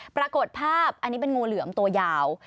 ปรากฏภาพอันนี้เป็นงูเหลือมตัวยาว